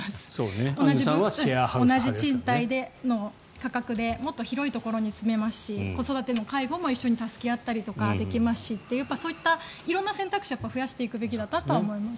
同じ賃貸の価格でもっと広いところで住めますし子育てや介護も一緒に助け合ったりとかできますしそういった色んな選択肢を増やしていくべきだとは思います。